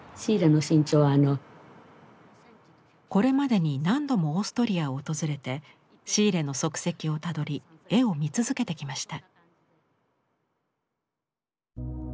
これまでに何度もオーストリアを訪れてシーレの足跡をたどり絵を見続けてきました。